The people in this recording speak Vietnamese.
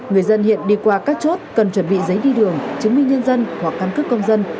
người dân hiện đi qua các chốt cần chuẩn bị giấy đi đường chứng minh nhân dân hoặc căn cước công dân